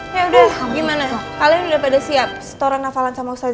ya udah gimana kalian udah pada siap setoran nafalan sama saya